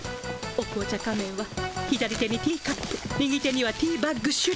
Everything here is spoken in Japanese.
お紅茶仮面は左手にティーカップ右手にはティーバッグ手裏剣。